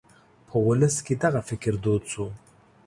په ولس کې دغه فکر دود شو.